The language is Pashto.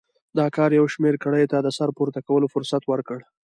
دا کار یو شمېر کړیو ته د سر پورته کولو فرصت ورکړ.